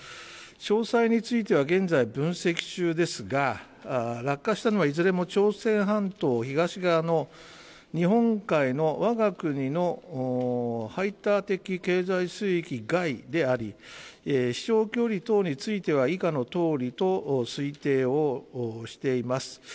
詳細については現在分析中ですが落下したのはいずれも朝鮮半島東側の日本海の我が国の排他的経済水域外であり飛翔距離等については以下のとおりと推定をしています。